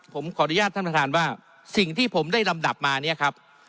ผมขออนุญาตท่านประธานว่าสิ่งที่ผมได้ลำดับมาเนี่ยครับ